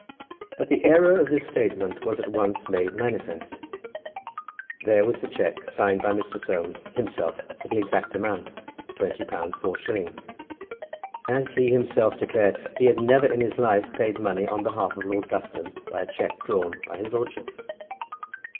But the error of this statement was at once made manifest. There was the cheque, signed by Mr. Soames himself, for the exact amount, twenty pounds four shillings. As he himself declared, he had never in his life paid money on behalf of Lord Lufton by a cheque drawn by his lordship.